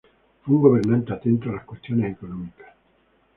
Fue un gobernante atento a las cuestiones económicas.